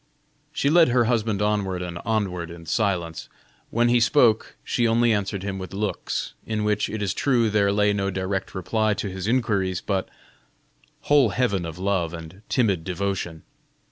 She led her husband onward and onward in silence; when he spoke, she only answered him with looks, in which, it is true, there lay no direct reply to his inquiries, but whole heaven of love and timid devotion.